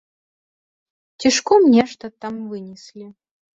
Цішком нешта там вынеслі.